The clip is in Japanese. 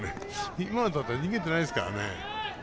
今のだったら逃げてないですから。